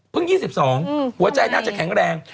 เพิ่ง๒๒หัวใจน่าจะแข็งแรง